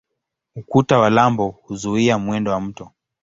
Ukuta wa lambo huzuia mwendo wa mto.